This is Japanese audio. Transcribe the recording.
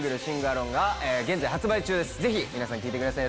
ぜひ皆さん聴いてください。